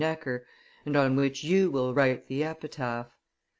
Necker, and on which you will write the epitaph.